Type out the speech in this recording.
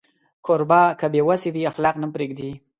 کوربه که بې وسی وي، اخلاق نه پرېږدي.